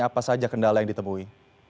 apa saja kendala yang ditemui